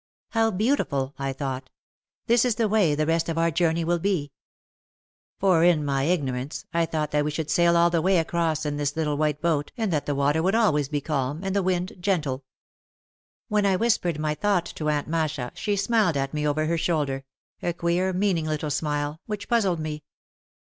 "How beautiful," I thought. "This is the way the rest of our journey will be." For in my ignorance I thought that we would sail all the way across in this little white boat and that the water would always be calm, and the wind gentle. When I whispered my thought to Aunt Masha she smiled at me over her shoulder, a queer, mean ing little smile, which puzzled me.